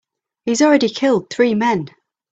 He's already killed three men.